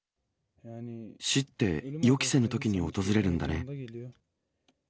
死って予期せぬときに訪れるんだね。